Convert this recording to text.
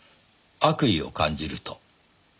悪意を感じると。